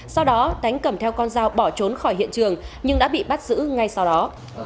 sau đó đánh cầm theo con dao bỏ trốn khỏi hiện trường nhưng đã bị bắt giữ ngay sau đó